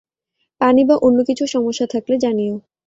পানি বা অন্যকিছুর সমস্যা থাকলে জানিও।